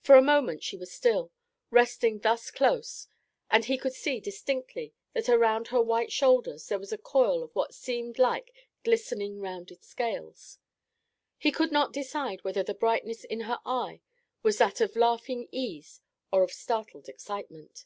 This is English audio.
For a moment she was still, resting thus close, and he could see distinctly that around her white shoulders there was a coil of what seemed like glistening rounded scales. He could not decide whether the brightness in her eye was that of laughing ease or of startled excitement.